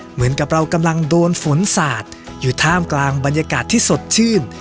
เหมือนกับเรากำลังโดนฝนสาดอยู่ท่ามกลางบรรยากาศที่สดชื่น